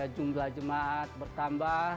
jumlah jemaat bertambah